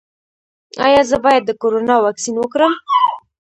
ایا زه باید د کرونا واکسین وکړم؟